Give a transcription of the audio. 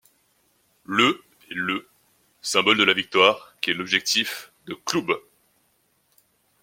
Le et le symbole de la victoire qui est l'objectif de club.